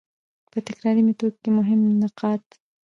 په تکراري ميتود کي مهم نقاط: